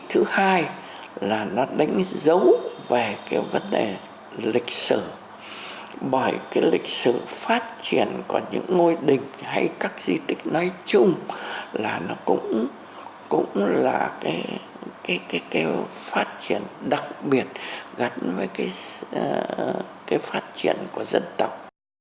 hai là nó đánh dấu về cái vấn đề lịch sử bởi cái lịch sử phát triển của những ngôi đình hay các di tích nói chung là nó cũng là cái phát triển đặc biệt gắn với cái phát triển của dân tộc